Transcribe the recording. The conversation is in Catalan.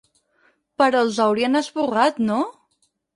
Però els haurien esborrat, no?